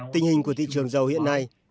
tình hình của thị trường dầu hiện nay